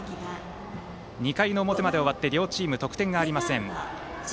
２回の表まで終わって両チーム得点がありません。